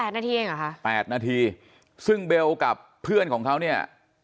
นาทีเองเหรอคะ๘นาทีซึ่งเบลกับเพื่อนของเขาเนี่ย